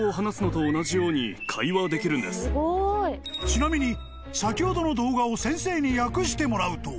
［ちなみに先ほどの動画を先生に訳してもらうと］